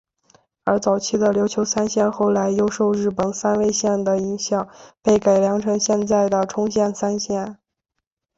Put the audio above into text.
而早期的琉球三线后来又受日本三味线的影响被改良成现在的冲绳三线。